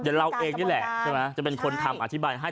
คือเราเองนี่แหละต้องเป็นคนทำอธิบายให้